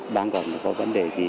đang còn có vấn đề gì